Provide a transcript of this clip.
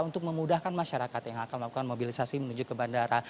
untuk memudahkan masyarakat yang akan melakukan mobilisasi menuju ke bandara